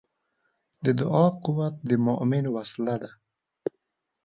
د دعا قوت د مؤمن وسله ده.